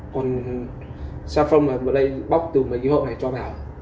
còn saffron bữa nay bóc từ mấy cái hộp này cho vào ạ